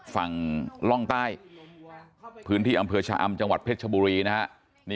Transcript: ฝั่งล่องใต้พื้นที่อำเภอชะอำจังหวัดเพชรชบุรีนะฮะ